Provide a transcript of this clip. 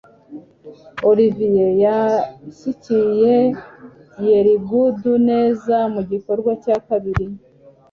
Olivier yashyigikiye Gielgud neza mugikorwa cya kabiri